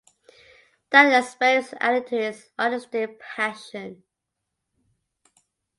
That experience added to his artistic passion.